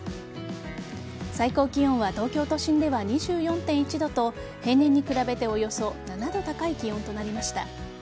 最高気温は東京都心では２４．１度と平年に比べておよそ７度高い気温となりました。